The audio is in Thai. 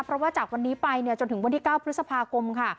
เพราะว่าจากวันนี้ไปจนถึงวันที่๙พฤษภาคมค่ะ